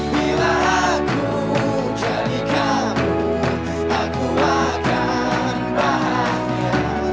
bila aku jadi kamu aku akan bahagia